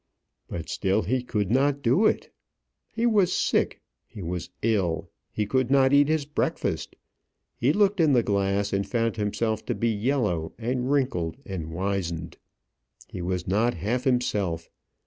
But still he could not do it. He was sick; he was ill; he could not eat his breakfast. He looked in the glass, and found himself to be yellow, and wrinkled, and wizened. He was not half himself.